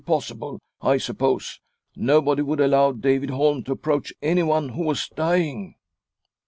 possible, I suppose ; nobody would allow David Holm to approach anyone who was dying."